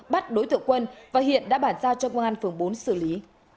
bắt đối tượng quân và hiện đã bản giao cho công an phường bốn xử lý